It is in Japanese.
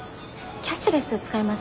キャッシュレス使えます？